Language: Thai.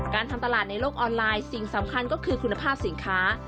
การทำตลาดในโลกออนไลน์สิ่งสำคัญก็คือคุณภาพสินค้า